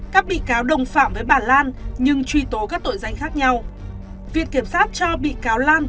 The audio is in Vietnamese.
các bị cáo đồng phạm với bà lan nhưng truy tố các tội danh khác nhau viện kiểm sát cho bị cáo lan